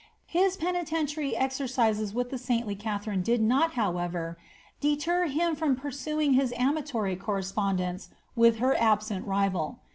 His peniten tiary exercises with the saintly Katharine did not, however, deter him from pursuing his amatory correspondence with her absent rival.